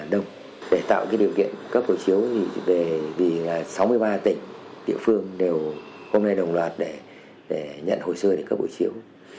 để tạo cái điều kiện cấp hộ chiếu về vì là sáu mươi ba tỉnh địa phương đều hôm nay đồng loạt để nhận hồ sơ để cấp hộ chiếu